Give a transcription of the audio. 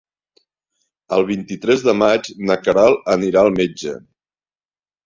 El vint-i-tres de maig na Queralt anirà al metge.